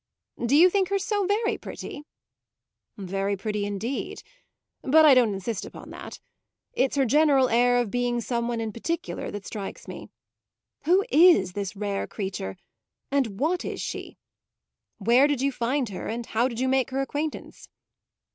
"Do you think her so very pretty?" "Very pretty indeed; but I don't insist upon that. It's her general air of being some one in particular that strikes me. Who is this rare creature, and what is she? Where did you find her, and how did you make her acquaintance?"